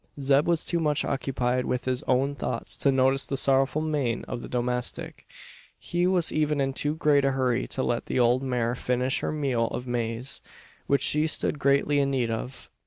Zeb was too much occupied with his own thoughts to notice the sorrowful mien of the domestic. He was even in too great a hurry to let the old mare finish her meal of maize, which she stood greatly in need of.